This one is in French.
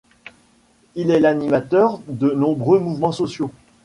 Il est l’animateur de nombreux mouvement sociaux.